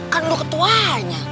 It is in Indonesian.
kan lo ketuanya